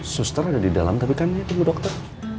suster ada di dalam tapi kan dia tunggu dokter